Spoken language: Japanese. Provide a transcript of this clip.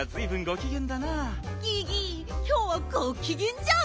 ギギきょうはごきげんじゃん。